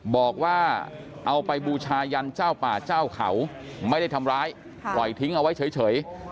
บอกว่าเอาไปบูชายันเจ้าป่าเจ้าเขาไม่ได้ทำร้ายปล่อยทิ้งเอาไว้เฉย